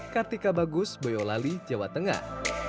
kartika bagus boyolali jawa tengah